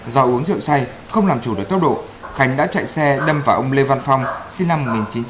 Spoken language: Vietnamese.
do uống rượu say không làm chủ được tốc độ khánh đã chạy xe đâm vào ông lê văn phong sinh năm một nghìn chín trăm tám mươi